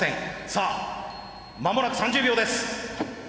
さあ間もなく３０秒です。